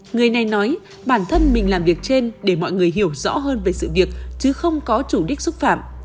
người này nói bản thân mình làm việc trên để mọi người hiểu rõ hơn về sự việc chứ không có chủ đích xúc phạm